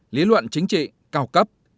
lý luận chính trị cao cấp